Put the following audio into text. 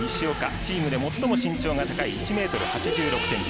チームで最も身長が高い１ｍ８７ｃｍ。